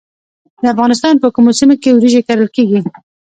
د افغانستان په کومو سیمو کې وریجې کرل کیږي؟